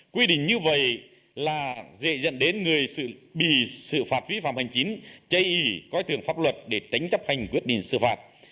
quy định như vậy là dễ dẫn đến người bị xử phạt vi phạm hành chính chây ý coi thường pháp luật để tránh chấp hành quyết định xử phạt